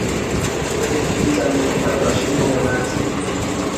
এইরূপ দুই-চারজন লোক পাইবার সম্ভাবনা আছে।